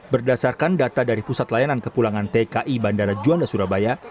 berdasarkan data dari pusat layanan kepulangan tki bandara juanda surabaya